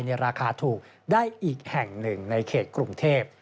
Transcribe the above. ราคาถูกได้อีกแห่งหนึ่งในเขตกรุงเทพ